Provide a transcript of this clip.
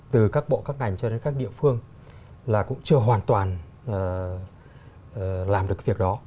từ các bộ các ngành cho đến các địa phương là cũng chưa hoàn toàn làm được việc đó